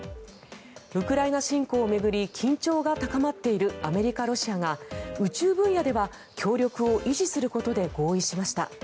ウクライナ侵攻を巡り緊張が高まっているアメリカ、ロシアが宇宙分野では協力を維持することで合意しました。